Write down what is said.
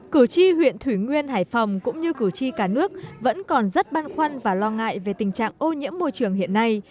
cử tri huyện thủy nguyên hải phòng cũng như cử tri cả nước vẫn còn rất băn khoăn và lo ngại về tình trạng ô nhiễm môi trường hiện nay